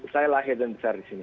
saya lahir dan besar di sini